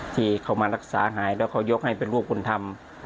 ที่เขามารักษาหายแล้วเขายกให้เป็นลูกคนทำ